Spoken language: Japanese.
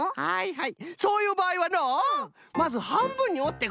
はい。